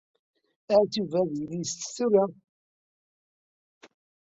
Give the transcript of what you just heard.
Ahat Yuba ad yili la isett tura.